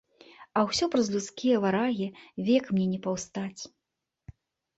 А ўсё праз людскія варагі век мне не паўстаць.